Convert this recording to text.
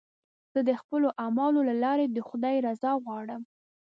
زه د خپلو اعمالو له لارې د خدای رضا غواړم.